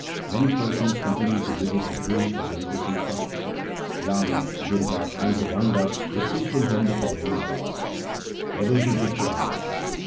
Many persons continued to visit the Guru for religious instruction. Lalu, Durga, and Jawanda received from him the following advice, ' Ever do good to others.